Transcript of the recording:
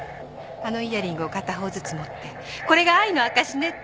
あのイヤリングを片方ずつ持ってこれが愛の証しねって